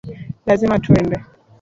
Lazima twende